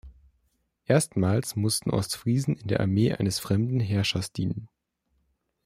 Erstmals mussten Ostfriesen in der Armee eines fremden Herrschers dienen.